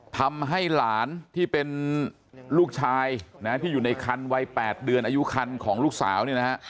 ทำให้หลานที่เป็นลูกชายนะที่อยู่ในคันวัย๘เดือนอายุคันของลูกสาวเนี่ยนะฮะ